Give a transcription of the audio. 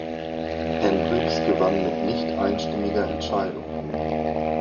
Hendricks gewann mit nicht einstimmiger Entscheidung.